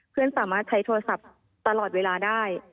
สามารถใช้โทรศัพท์ตลอดเวลาได้